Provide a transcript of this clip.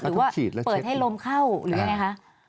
หรือว่าเปิดให้ลมเข้าหรือยังไงคะ